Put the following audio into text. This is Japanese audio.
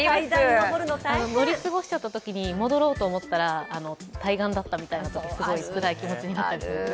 乗り過ごしちゃったときに戻ろうと思ったら対岸だったらすごいつらい気持ちになったりするから。